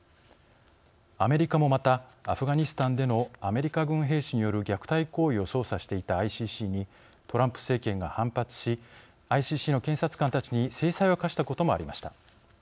アメリカもまたアフガニスタンでのアメリカ軍兵士による虐待行為を捜査していたＩＣＣにトランプ政権が反発しＩＣＣの検察官たちに制裁を科したこともありました。